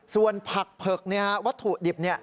ส่วนผักเผือกวัตถุดิบ